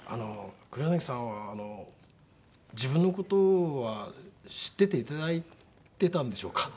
黒柳さんはあの自分の事は知ってていただいてたんでしょうか？